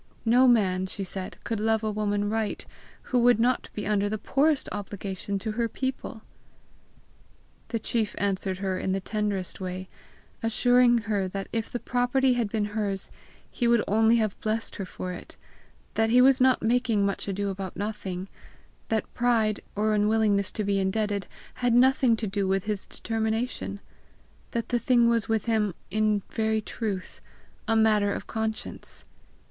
No man, she said, could love a woman right, who would not be under the poorest obligation to her people! The chief answered her in the tenderest way, assuring her that if the property had been hers he would only have blessed her for it; that he was not making much ado about nothing; that pride, or unwillingness to be indebted, had nothing to do with his determination; that the thing was with him in very truth a matter of conscience.